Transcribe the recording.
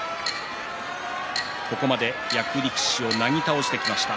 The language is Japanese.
ここまで役力士をなぎ倒してきました。